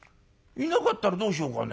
いなかったらどうしようかね。